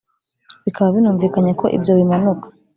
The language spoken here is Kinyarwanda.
Bikaba binumvikanye ko ibyo Bimanuka